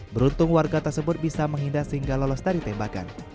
beruntung warga tersebut bisa menghindar sehingga lolos dari tembakan